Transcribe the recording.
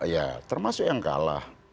ya termasuk yang kalah